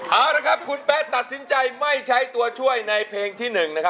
เอาละครับคุณแป๊ะตัดสินใจไม่ใช้ตัวช่วยในเพลงที่๑นะครับ